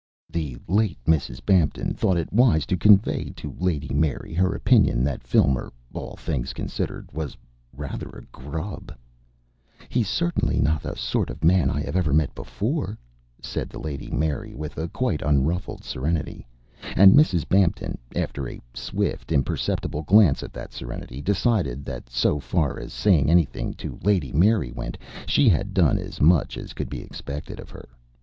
The late Mrs. Bampton thought it wise to convey to Lady Mary her opinion that Filmer, all things considered, was rather a "grub." "He's certainly not a sort of man I have ever met before," said the Lady Mary, with a quite unruffled serenity. And Mrs. Bampton, after a swift, imperceptible glance at that serenity, decided that so far as saying anything to Lady Mary went, she had done as much as could be expected of her.